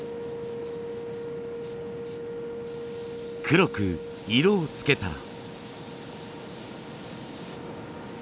黒く色を付けたら。